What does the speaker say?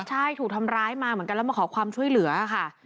ใช่ถูกทำร้ายมาเหมือนกันแล้วมาขอความช่วยเหลือค่ะ